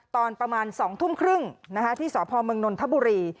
ตอนประมาณ๒ทุ่มครึ่งที่สพเมืองนนทบุรี